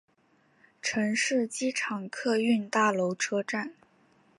城市机场客运大楼车站。